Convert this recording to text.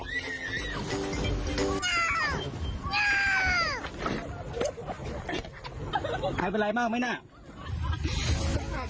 กับเพื่อนรอได้ก็รอแล้วกับผู้ชายนิงได้ก็รีบนี่ค่ะ